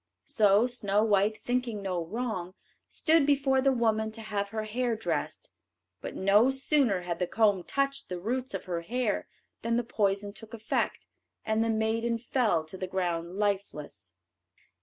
So Snow white, thinking no wrong, stood before the woman to have her hair dressed; but no sooner had the comb touched the roots of her hair than the poison took effect, and the maiden fell to the ground lifeless.